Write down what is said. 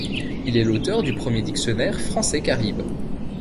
Il est l'auteur du premier dictionnaire français-caribe.